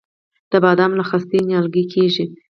د بادام له خستې نیالګی کیږي؟